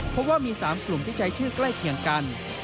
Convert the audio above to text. เพราะว่ามี๓กลุ่มที่ใช้ชื่อใกล้เคียงกัน